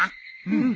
うん。